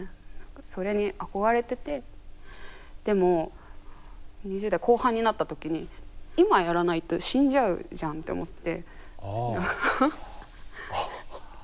それに憧れててでも２０代後半になった時に今やらないと死んじゃうじゃんって思って。